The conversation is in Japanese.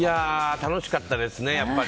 楽しかったですね、やっぱり。